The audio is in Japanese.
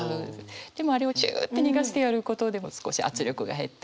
でもあれをジュって逃がしてやることで少し圧力が減って。